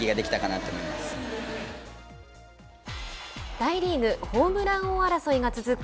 大リーグホームラン王争いが続く